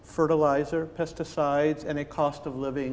perusahaan pesticida dan keuntungan hidup